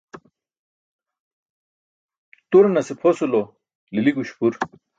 Turanase pʰosulo lili guśpur.